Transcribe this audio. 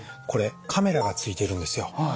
これカメラがついているんですよ。